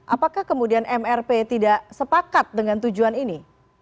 apakah kemudian mrp tidak sepakat dengan tujuan ini